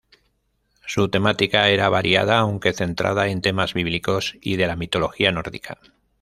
Su temática era variada, aunque centrada en temas bíblicos y de la mitología nórdica.